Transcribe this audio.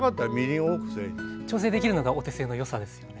調整できるのがお手製のよさですよね。